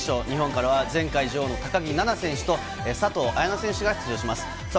日本からは前回女王の高木菜那選手と、佐藤綾乃選手が出場します。